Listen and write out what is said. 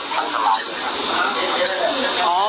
แต่หนูจะเอากับน้องเขามาแต่ว่า